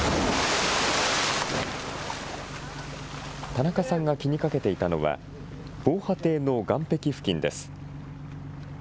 田中さんが気にかけていたのは、防波堤の岸壁付近です。